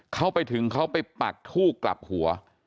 เขาไปถึงเขาไปปักทูบกลับหัว